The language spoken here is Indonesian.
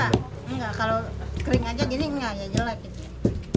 kalau kering aja gini nggak ya jelek